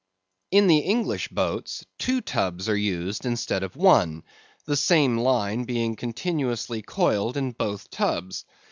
In the English boats two tubs are used instead of one; the same line being continuously coiled in both tubs.